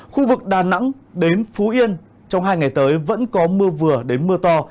khu vực đà nẵng đến phú yên trong hai ngày tới vẫn có mưa vừa đến mưa to